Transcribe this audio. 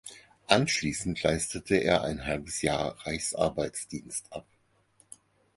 Anschließend leistete er ein halbes Jahr Reichsarbeitsdienst ab.